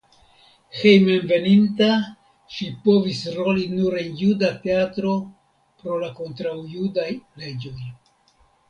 Hejmenveninta ŝi povis roli nur en juda teatro pro la kontraŭjudaj leĝoj.